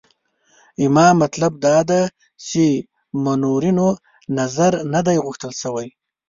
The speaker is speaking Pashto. زما مطلب دا دی چې منورینو نظر نه دی غوښتل شوی.